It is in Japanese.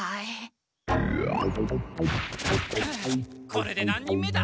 これで何人目だ？